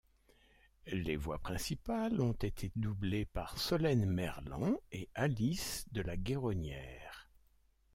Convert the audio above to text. Les voix principales ont été doublées par Solène Merlant et Alice de La Guéronnière.